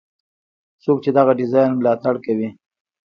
څوک چې دغه ډیزاین ملاتړ کوي.